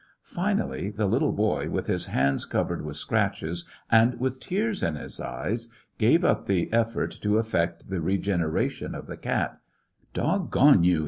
Finally the little boy, with his hands covered with scratches and with tears in his eyes, gave up the effort to effect the regeneration of the cat "Doggone yon